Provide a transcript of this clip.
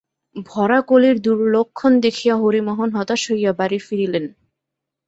ভরা কলির দুর্লক্ষণ দেখিয়া হরিমোহন হতাশ হইয়া বাড়ি ফিরিলেন।